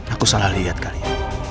aku salah lihat kali ya